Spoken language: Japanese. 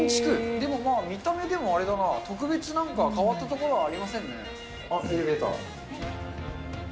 でもまあ、見た目でもあれだな、特別なんか変わった所はありませんね。